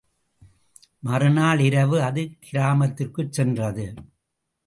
மறு நாள் இரவு அது கிராமத்திற்குச் சென்றது.